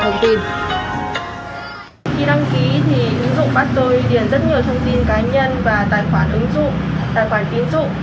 khi đăng ký thì ứng dụng bắt tôi điền rất nhiều thông tin cá nhân và tài khoản ứng dụng tài khoản tín dụng